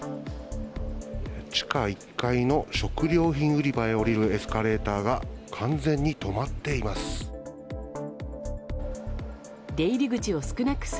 地下１階の食料品売り場へ下りるエスカレーターが完全に止まっています。